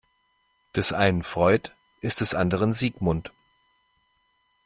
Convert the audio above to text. Des einen Freud ist des anderen Sigmund.